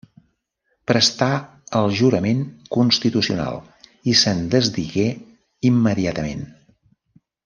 Prestà el jurament constitucional i se'n desdigué immediatament.